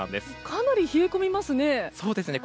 かなり冷え込みますね。